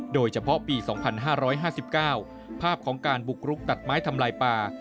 โดยเฉพาะปี๒๕๕๙ภาพของการบุกรุกตัดไม้ทำลายป่า